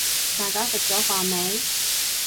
大家食咗飯未